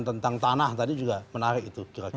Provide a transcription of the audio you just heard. tentang tanah tadi juga menarik itu